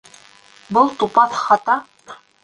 Был тупаҫ хата